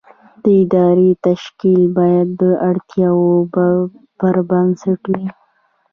د ادارې تشکیل باید د اړتیاوو پر بنسټ وي.